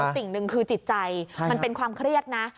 สิ่งหนึ่งคือจิตใจมันเป็นความเครียดนะ